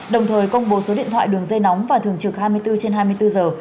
đồng thời công bố số điện thoại đường dây nóng và thường trực hai mươi bốn trên hai mươi bốn giờ